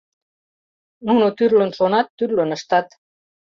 Нуно тӱрлын шонат, тӱрлын ыштат.